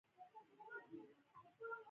د انسانيت لوړه درجه دا ده.